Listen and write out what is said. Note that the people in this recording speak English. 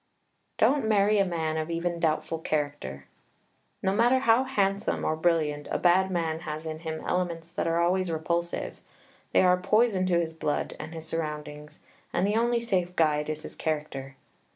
Don't marry a man of even doubtful character. No matter how handsome or brilliant, a bad man has in him elements that are always repulsive; they are poison to his blood and his surroundings, and the only safe guide is his character.